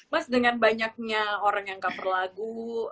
mas dengan banyaknya orang yang cover lagu